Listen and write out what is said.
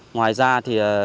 ngoài ra thì